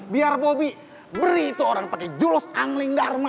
biar bobi beri itu orang pake julus angling dharma